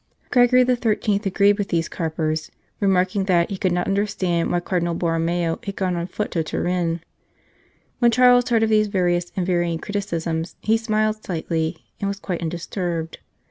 Gregory XIII. agreed with these carpers, remarking that he could not understand why Cardinal Borromeo had gone on foot to Turin. When Charles heard of these various and varying criticisms, he smiled slightly and was quite undis turbed.